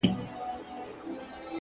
په ورځ کي لس وارې له خپلې حافظې وځم-